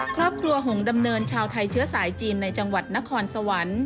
ครอบครัวหงดำเนินชาวไทยเชื้อสายจีนในจังหวัดนครสวรรค์